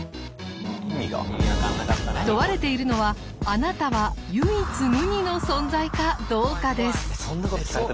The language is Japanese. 問われているのはあなたは唯一無二の存在かどうかです。